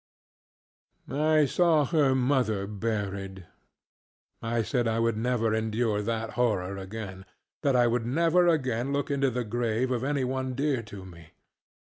I saw her mother buried. I said I would never endure that horror again; that I would never again look into the grave of any one dear to me.